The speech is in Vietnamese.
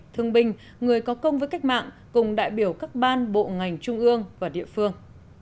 thương binh người có công với cách mạng cùng đại biểu các ban bộ ngành trung ương và địa phương